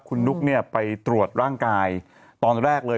คุณนุ๊กเนี่ยไปตรวจร่างกายตอนแรกเลย